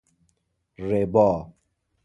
ربا